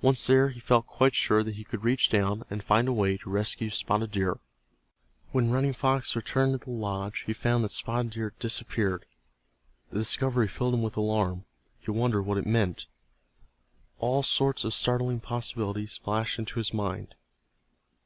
Once there he felt quite sure that he could reach down, and find a way to rescue Spotted Deer. When Running Fox returned to the lodge he found that Spotted Deer had disappeared. The discovery filled him with alarm. He wondered what it meant. All sorts of startling possibilities flashed into his mind.